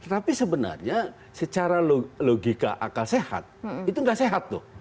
tapi sebenarnya secara logika akal sehat itu nggak sehat tuh